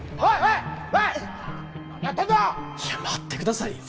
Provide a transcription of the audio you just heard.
いや待ってくださいよ。